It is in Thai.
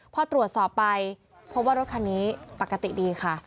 พอตรวจสอบไปพบว่ารถคันนี้ปกติดีค่ะ